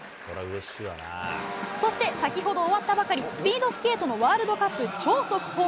そして先ほど終わったスピードスケートのワールドカップ超速報。